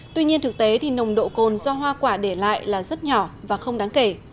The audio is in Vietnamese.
tuy nhiên thực tế thì nồng độ cồn do hoa quả để lại là rất nhỏ và không đáng kể